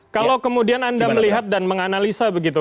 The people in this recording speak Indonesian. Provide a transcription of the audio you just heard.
kalau kemudian anda melihat dan menganalisa begitu